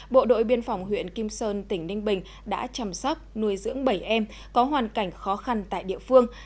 bộ đội biên phòng huyện kim sơn tỉnh ninh bình đã chăm sóc nuôi dưỡng bảy em có hoàn cảnh khó khăn tại địa phương